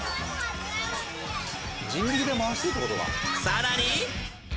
［さらに］